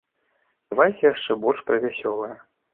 Давайце яшчэ больш пра вясёлае.